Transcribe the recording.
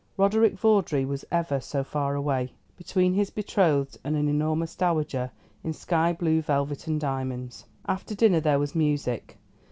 Roderick Vawdrey was ever so far away, between his betrothed and an enormous dowager in sky blue velvet and diamonds. After dinner there was music.